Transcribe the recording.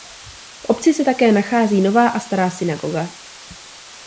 V obci se také nachází Nová a Stará synagoga.